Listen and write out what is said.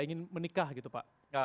ingin menikah gitu pak